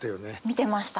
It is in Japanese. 見てました。